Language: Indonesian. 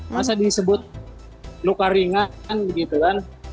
masa disebut luka ringan gitu kan